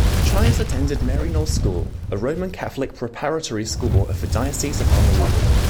Trias attended Maryknoll School, a Roman Catholic preparatory school of the Diocese of Honolulu.